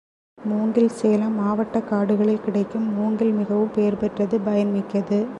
மூங்கில் சேலம் மாவட்டக் காடுகளில் கிடைக்கும் மூங்கில் மிகவும் பெயர் பெற்றது பயன்மிக்கது.